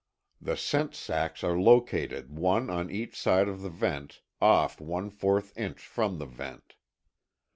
The scent sacks are located one on each side of the vent off one fourth inch from the vent.